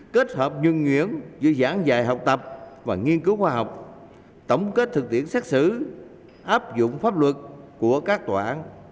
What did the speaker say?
kết hợp nhân nguyện giữa giảng dạy học tập và nghiên cứu khoa học tổng kết thực tiễn xét xử áp dụng pháp luật của các tòa án